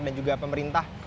dan juga pemerintah